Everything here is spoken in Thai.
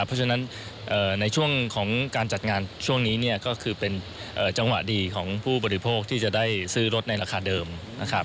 เพราะฉะนั้นในช่วงของการจัดงานช่วงนี้เนี่ยก็คือเป็นจังหวะดีของผู้บริโภคที่จะได้ซื้อรถในราคาเดิมนะครับ